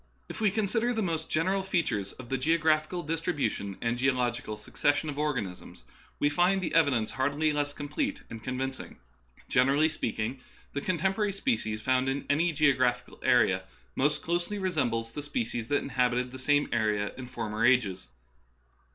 If we consider the most general features of the geographical distribution and geological succes sion of organisms, we find the evidence hardly less complete and convincing. Generally speak ing, the contemporary species found in an}^ geo graphical area most closely resemble the species that inhabited the same area in former ages.